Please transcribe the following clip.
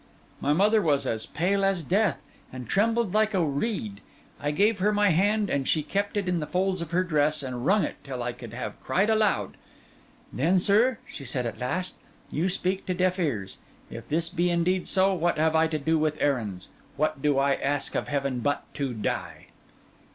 My mother was as pale as death, and trembled like a reed; I gave her my hand, and she kept it in the folds of her dress and wrung it till I could have cried aloud. 'Then, sir,' said she at last, 'you speak to deaf ears. If this be indeed so, what have I to do with errands? What do I ask of Heaven but to die?